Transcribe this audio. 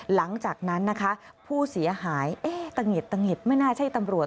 หลังจากนั้นผู้เสียหายตะเง็ดไม่น่าใช่ตำรวจ